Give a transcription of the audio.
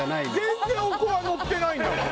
全然おこわのってないんだもん。